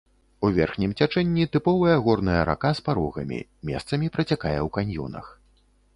У верхнім цячэнні тыповая горная рака з парогамі, месцамі працякае ў каньёнах.